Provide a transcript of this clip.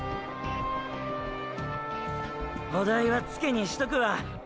お代はツケにしとくわ。